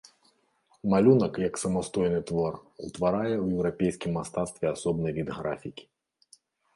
Малюнак, як самастойны твор, утварае ў еўрапейскім мастацтве асобны від графікі.